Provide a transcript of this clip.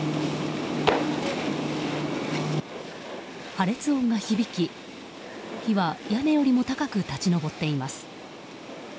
破裂音が響き火は、屋根よりも高く立ち上っています。